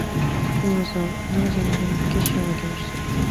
大野さん、永瀬の準決勝が来ました。